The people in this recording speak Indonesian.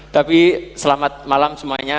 tapi selamat malam semuanya